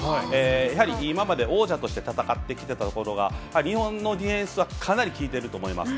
やはり今まで王者として戦ってきてたところが日本のディフェンスはかなり効いていると思います。